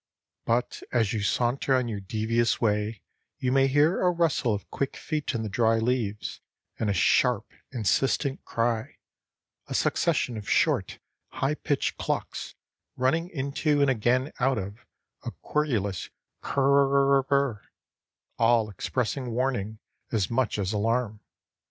But as you saunter on your devious way you may hear a rustle of quick feet in the dry leaves and a sharp, insistent cry, a succession of short, high pitched clucks running into and again out of a querulous "ker r r r," all expressing warning as much as alarm.